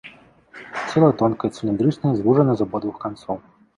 Цела тонкае, цыліндрычнае, звужана з абодвух канцоў.